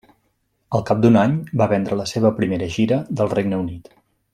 Al cap d'un any va vendre la seva primera gira del Regne Unit.